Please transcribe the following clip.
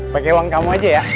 pakai uang kamu aja ya